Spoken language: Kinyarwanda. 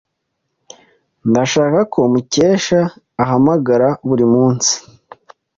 Ndashaka ko Mukesha ahamagara buri munsi.